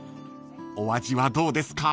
［お味はどうですか？］